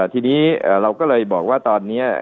ทีนี้เราก็เลยบอกว่าตอนนี้